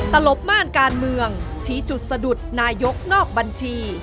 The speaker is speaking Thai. ตลบม่านการเมืองชี้จุดสะดุดนายกนอกบัญชี